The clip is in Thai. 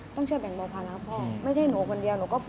ต้องช่วยแบ่งบริษัทพ่อ